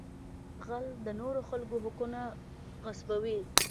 غل د نورو خلکو حقونه غصبوي